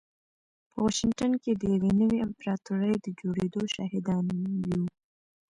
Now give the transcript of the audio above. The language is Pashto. په واشنګټن کې د يوې نوې امپراتورۍ د جوړېدو شاهدان يو.